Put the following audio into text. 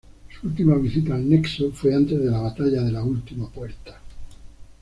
Su última visita al "Nexo" fue antes de la "Batalla de la Última Puerta".